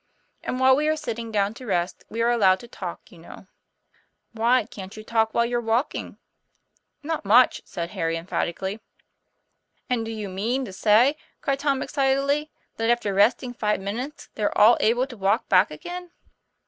And while we are sitting down to rest, we are allowed to talk, you know." "Why, can't you talk while you're walking?" "Not much," said Harry emphatically. "And do you mean to say," cried Tom excitedly, "that after resting five minutes, they're all able to walk back again?"